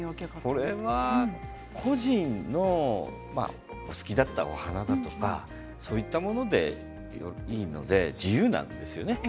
これは故人のお好きだったお花だとかそういったものでいいので自由なんですよね。